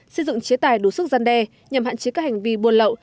xây dựng chế tài đủ sức gian đe nhằm hạn chế các hành vi buôn lậu